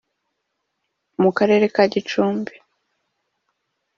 mu Karere ka Gicumbi